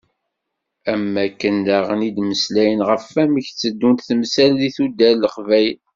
Am wakken daɣen i d-mmeslayen ɣef wamek tteddunt temsal di tuddar n Leqbayel.